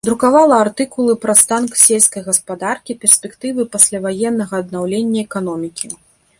Друкавала артыкулы пра стан сельскай гаспадаркі, перспектывы пасляваеннага аднаўлення эканомікі.